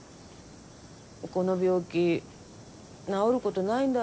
この病気治ることないんだろ？